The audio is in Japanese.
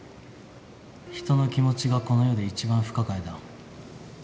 人の気持ちがこの世で一番不可解だ。